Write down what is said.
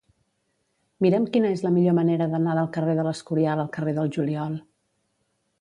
Mira'm quina és la millor manera d'anar del carrer de l'Escorial al carrer del Juliol.